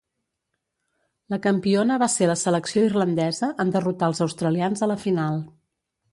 La campiona va ser la selecció irlandesa en derrotar els australians a la final.